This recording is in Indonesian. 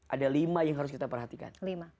ada lima yang harus kita perhatikan